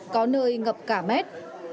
có nơi ngập cả mét